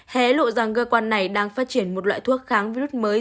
hé lộ rằng cơ quan này đang phát triển một loại thuốc kháng virus mới